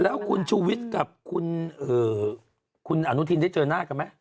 แล้วคุณชูวิทย์กับคุณเอ่อคุณอนุทินได้เจอหน้ากันมั้ย